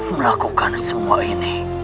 melakukan semua ini